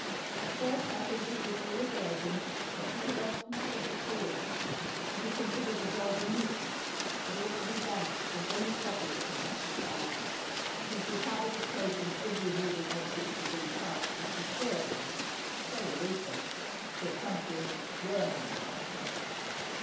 At first I think he was reiterating what he had often said before: that he considered the dog a nuisance that ought to be banished from any properly conducted garden, since his habit of chasing every moving object within sight was disturbing, to say the least of it, to a conscientious worm hunter.